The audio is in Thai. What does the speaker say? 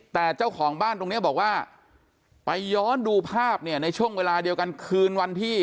แต่เจ้าของบ้านตรงนี้บอกว่าไปย้อนดูภาพเนี่ยในช่วงเวลาเดียวกันคืนวันที่